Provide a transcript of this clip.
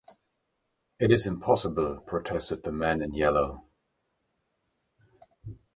“It is impossible,” protested the man in yellow.